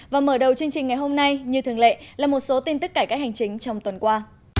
và mở đầu chương trình ngày hôm nay như thường lệ là một số tin tức cải cách hành chính trong tuần qua